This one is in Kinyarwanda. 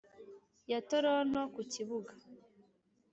ya toronto ku kibuga